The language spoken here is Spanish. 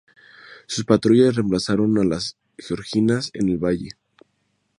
Sus patrullas reemplazaron a las georgianas en el valle.